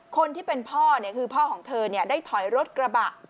คนที่เป็นพ่อคือพ่อของเธอได้ถอยรถกระบะ